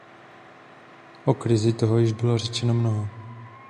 O krizi toho již bylo řečeno mnoho.